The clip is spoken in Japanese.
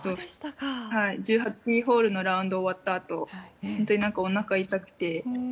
１８ホールのラウンドが終わったあと、おなかが痛くて。